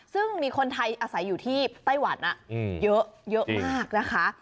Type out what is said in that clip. ซึ่งมีคนไทยอาศัยอยู่ที่ไต้หวันเยอะมากนะคะ